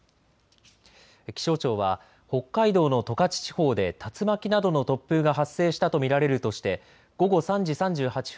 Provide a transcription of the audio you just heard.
気象庁は北海道の十勝地方で竜巻などの突風が発生したと見られるとして午後３時３８分